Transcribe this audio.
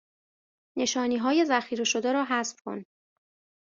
نشانی های ذخیره شده را حذف کن